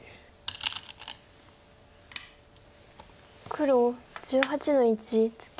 黒１８の一ツケ。